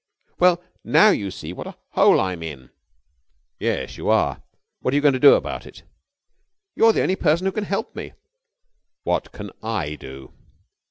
"Well, now you see what a hole I'm in." "Yes, you are. What are you going to do about it?" "You're the only person who can help me." "What can I do?"